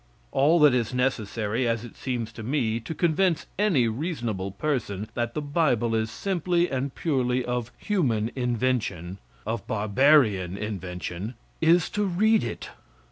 All that is necessary, as it seems to me, to convince any reasonable person that the bible is simply and purely of human invention of barbarian invention is to read it.